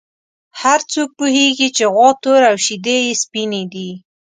هر څوک پوهېږي چې غوا توره او شیدې یې سپینې دي.